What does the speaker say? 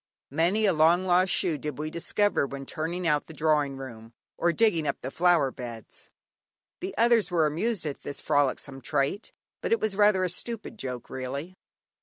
Many a long lost shoe did we discover when turning out the drawing room, or digging up the flower beds. The others were amused at this frolicsome trait, but it was rather a stupid joke really.